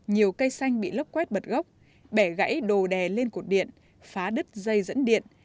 nhiều cây xanh bị lấp quát bật gốc bẻ gãy đồ đè lên cột điện phá đứt dây dẫn điện